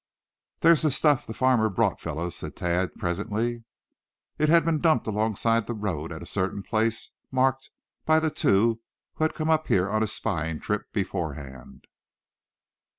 "There's the stuff the farmer brought, fellows!" said Thad, presently. It had been dumped alongside the road at a certain place marked by the two who had come up here on a spying trip beforehand.